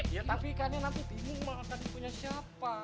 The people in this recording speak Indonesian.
ya tapi ikannya nanti timun mah akan punya siapa